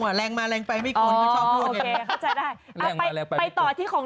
สาดมาสาดไปไม่โกง